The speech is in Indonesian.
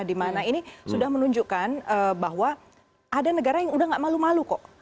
di mana ini sudah menunjukkan bahwa ada negara yang sudah tidak malu malu kok